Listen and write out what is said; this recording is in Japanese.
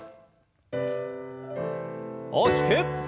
大きく。